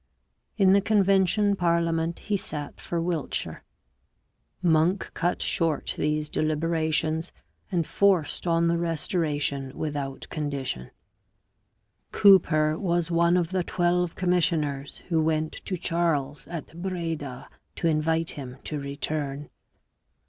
In the Convention parliament he sat for Wiltshire. Monk cut short these deliberations and forced on the Restoration without condition. Cooper was one of the twelve commissioners who went to Charles at Breda to invite him to return.